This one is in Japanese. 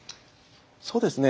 そうですね。